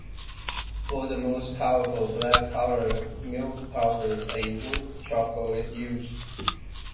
For the most powerful black powder, meal powder, a wood charcoal, is used.